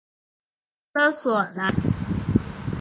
勒索莱。